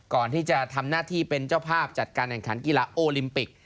ก่อนที่จะทำหน้าที่เป็นเจ้าภาพจัดการแข่งขันกีฬาโอลิมปิก